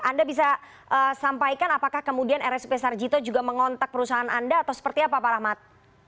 anda bisa sampaikan apakah kemudian rsp sarjito juga mengontak perusahaan anda atau seperti apa pak rahmat